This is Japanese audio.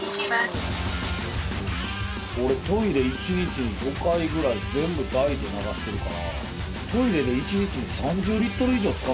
俺トイレ１日に５回ぐらい全部大で流してるからトイレで１日に３０リットル以上使ってるってこと？